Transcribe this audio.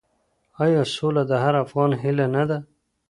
آیا سوله د هر افغان هیله نه ده؟